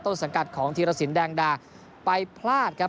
สังกัดของธีรสินแดงดาไปพลาดครับ